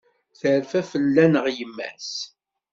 Terfa fell-aneɣ yemma-s.